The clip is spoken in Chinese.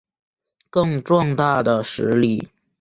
更壮大的实力